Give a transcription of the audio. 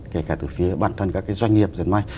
kể cả từ phía bản thân các cái doanh nghiệp diệt may